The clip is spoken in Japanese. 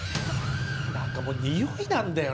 何かもう臭いなんだよな。